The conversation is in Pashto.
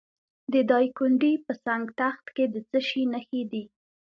د دایکنډي په سنګ تخت کې د څه شي نښې دي؟